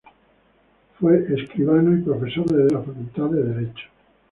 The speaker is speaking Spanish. Fue escribano y profesor de Derecho Civil en la Facultad de Derecho.